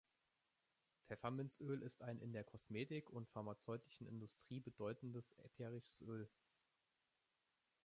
Pfefferminzöl ist ein in der Kosmetik- und pharmazeutischen Industrie bedeutendes ätherisches Öl.